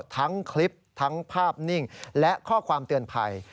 ทั้งคลิปทั้งภาพนิ่งและข้อความเตือนภัย